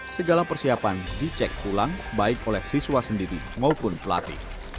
segala persiapan dicek ulang baik oleh siswa sendiri maupun pelatih